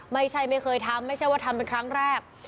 ไม่ใช่ไม่เคยทำไม่ใช่ว่าทำเป็นครั้งแรก